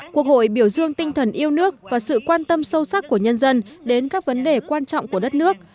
quốc hội biểu dương tinh thần yêu nước và sự quan tâm sâu sắc của nhân dân đến các vấn đề quan trọng của đất nước